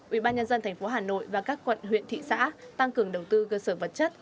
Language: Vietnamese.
ubnd tp hà nội và các quận huyện thị xã tăng cường đầu tư cơ sở vật chất